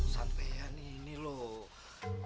sampai ya nih ini loh